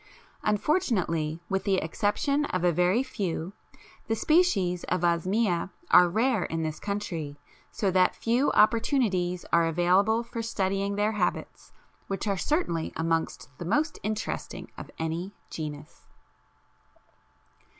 Unfortunately, with the exception of a very few, the species of Osmia are rare in this country, so that few opportunities are available for studying their habits, which are certainly amongst the most interesting of any genus.